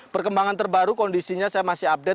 perkembangan terbaru kondisinya saya masih update